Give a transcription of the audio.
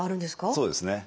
そうですね。